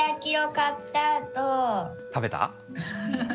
食べた？